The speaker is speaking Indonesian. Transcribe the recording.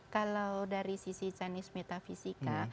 kalau dari sisi chanis metafisika